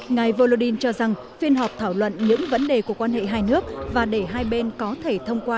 ngài volodin cho rằng phiên họp thảo luận những vấn đề của quan hệ hai nước và để hai bên có thể thông qua